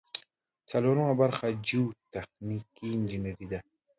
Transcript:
څلورمه برخه جیوتخنیک انجنیری ده.